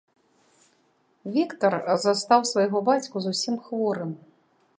Віктар застаў свайго бацьку зусім хворым.